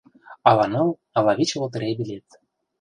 Ала ныл, ала вич лотерей билет.